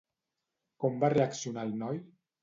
Com va reaccionar el noi?